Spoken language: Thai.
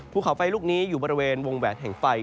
ภูเขาไฟลูกนี้อยู่บริเวณวงแหวนแห่งไฟ